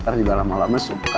ntar juga lama lama suka